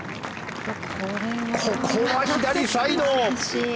ここは左サイド。